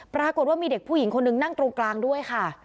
ปรากฏว่ามีเด็กผู้หญิงคนนึงนั่งตรงกลางด้วยค่ะ